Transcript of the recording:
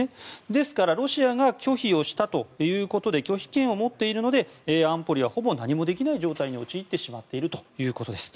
ですからロシアが拒否をしたということで拒否権を持っているので安保理はほぼ何もできない状態に陥っているということです。